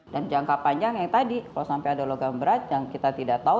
dan jangka panjang yang tadi kalau sampai ada logam berat yang kita tidak tahu